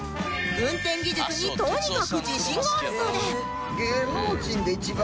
運転技術にとにかく自信があるそうで